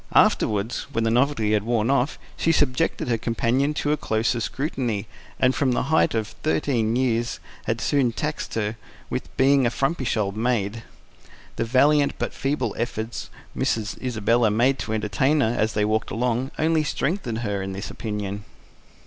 Afterwards, when the novelty had worn off, she subjected her companion to a closer scrutiny, and from the height of thirteen years had soon taxed her with being a frumpish old maid; the valiant but feeble efforts Miss Isabella made to entertain her, as they walked along, only strengthening her in this opinion.